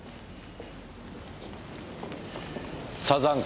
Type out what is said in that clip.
サザンカ。